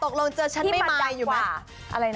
ออกลงเจอฉันไม่ไมล์อยู่มั้ย